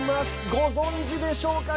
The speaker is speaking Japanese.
ご存じでしょうか。